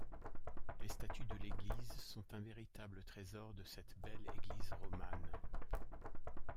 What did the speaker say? Les statues de l’église sont un véritable trésor de cette belle église romane.